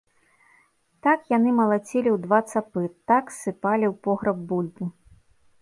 Так яны малацілі ў два цапы, так ссыпалі ў пограб бульбу.